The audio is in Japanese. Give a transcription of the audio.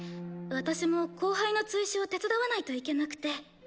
私も後輩の追試を手伝わないといけなくて。